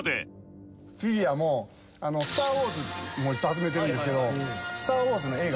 フィギュアも『スター・ウォーズ』もいっぱい集めてるんですけど。